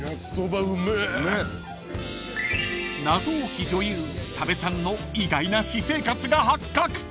［謎多き女優多部さんの意外な私生活が発覚］